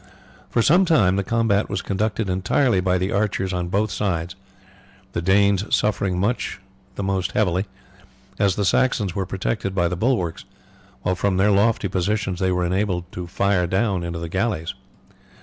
For some time the combat was conducted entirely by the archers on both sides, the Danes suffering much the most heavily, as the Saxons were protected by the bulwarks, while from their lofty positions they were enabled to fire down into the galleys.